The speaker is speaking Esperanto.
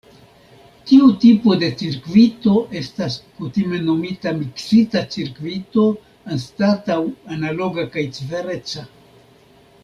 Tiu tipo de cirkvito estas kutime nomita "miksita cirkvito" anstataŭ "analoga kaj cifereca".